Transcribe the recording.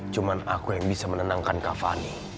cuman aku yang bisa menenangkan kak fani